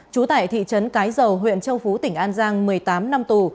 trú tại thị trấn cái dầu huyện châu phú tỉnh an giang một mươi tám năm tù